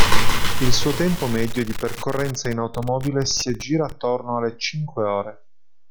Il suo tempo medio di percorrenza in automobile si aggira attorno alle cinque ore.